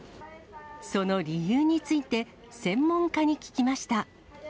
その理由について、専門家に聞きました。